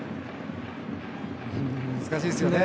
難しいですよね。